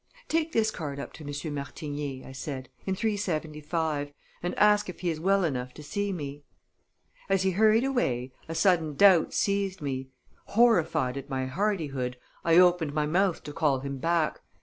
"Take this card up to Monsieur Martigny," I said, "in 375, and ask if he is well enough to see me." As he hurried away, a sudden doubt seized me; horrified at my hardihood, I opened my mouth to call him back.